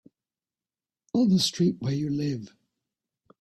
On the street where you live.